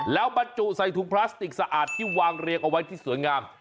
แล้วบรรจุใส่ถุงพลาสติกสะอาดที่วางเรียงเอาไว้ที่สวยงาม